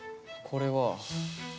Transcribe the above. これは。